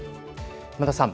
山田さん。